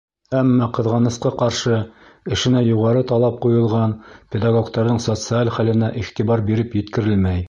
Әммә, ҡыҙғанысҡа ҡаршы, эшенә юғары талап ҡуйылған педагогтарҙың социаль хәленә иғтибар биреп еткерелмәй.